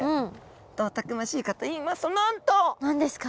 どうたくましいかといいますとなんと！何ですか？